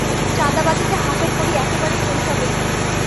চাঁদাবাজিতে হাতেখড়ি একেবারে শৈশবেই।